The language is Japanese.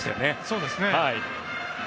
そうですね。